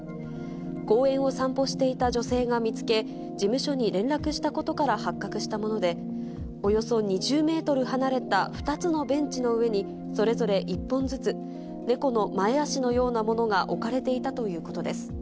公園を散歩していた女性が見つけ、事務所に連絡したことから発覚したもので、およそ２０メートル離れた２つのベンチの上に、それぞれ１本ずつ、猫の前足のようなものが置かれていたということです。